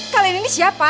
kalian ini siapa